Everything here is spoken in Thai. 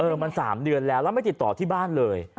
มัน๓เดือนแล้วแล้วไม่ติดต่อที่บ้านเลย